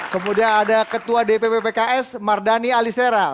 kemudian ada ketua dpp pks mardani alisera